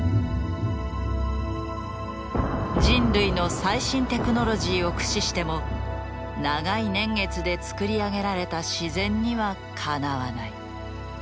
人類の最新テクノロジーを駆使しても長い年月でつくり上げられた自然にはかなわない。